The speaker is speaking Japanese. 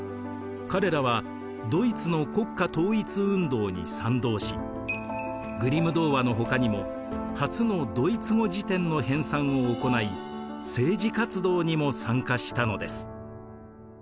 彼らはドイツの国家統一運動に賛同し「グリム童話」のほかにも初のドイツ語辞典の編纂をおこない政治活動にも参加したのです。